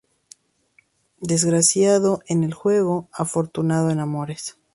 Desgraciado en el juego, afortunado en amores